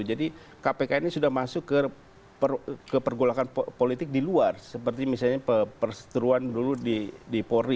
jadi kpk ini sudah masuk ke pergolakan politik di luar seperti misalnya persturuan dulu di pori